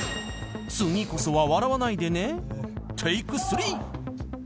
次こそは笑わないでねテイク３スタート